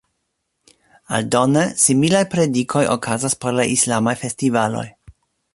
Aldone, similaj predikoj okazas por la islamaj festivaloj.